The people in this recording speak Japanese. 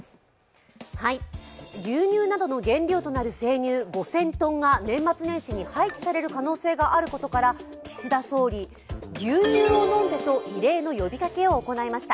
牛乳などの原料となる生乳５０００ｔが年末年始に廃棄される可能性があることから岸田総理、牛乳を飲んでと異例の呼びかけを行いました。